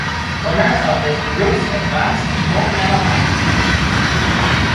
Winners of this groups advanced to gold medal match.